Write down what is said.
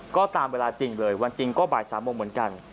ก็ตามเวลาจริงเลยวันจริงก็บ่าย๓โมงเหมือนกัน